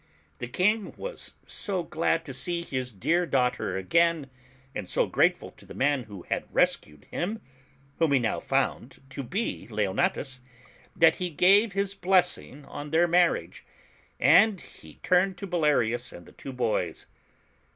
The King was so glad to see his dear daughter again, and so grateful to the man who had rescued him (whom he now found to be Leonatus), that he gave his blessing on their marriage, and he turned to Bellarius, and the two boys.